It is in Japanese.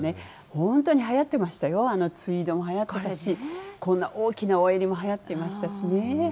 本当にはやってましたよ、ツイードもはやってたし、こんな大きなお襟もはやっていましたしね。